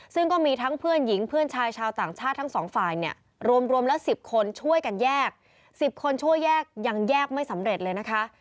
ซึ่งก็มีทั้งเพื่อนหญิงเพื่อนชายชาวต่างชาติทั้งสองฝ่ายเนี่ยรวมละ๑๐คนช่วยกันแยก๑๐คนช่วยแยกยังแยกไม่สำเร็จเลยนะคะ